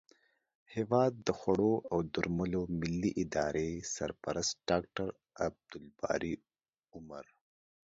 هیواد د خوړو او درملو ملي ادارې سرپرست ډاکټر عبدالباري عمر